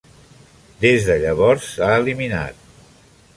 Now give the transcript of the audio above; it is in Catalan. Des de llavors s'ha eliminat.